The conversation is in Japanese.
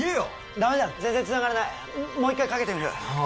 ダメだ全然つながらないもう一回かけてみる